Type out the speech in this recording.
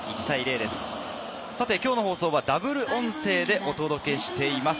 きょうの放送はダブル音声でお届けしています。